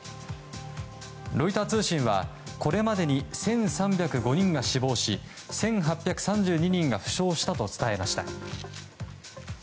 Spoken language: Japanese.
ロイター通信はこれまでに１３０５人が死亡し１８３２人が負傷したと伝えました。